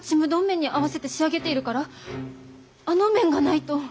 麺に合わせて仕上げているからあの麺がないと。